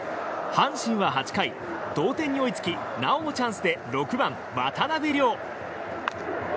阪神は８回同点に追いつきなおもチャンスで６番、渡邉諒。